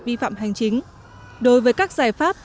vi phạm hành chính đối với các giải pháp